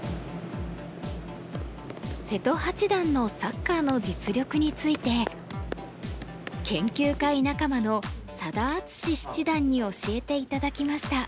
瀬戸八段のサッカーの実力について研究会仲間の佐田篤史七段に教えて頂きました。